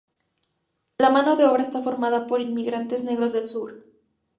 La mano de obra está formada por inmigrantes negros del sur.